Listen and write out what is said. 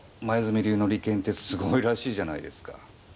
黛流の利権ってすごいらしいじゃないですか。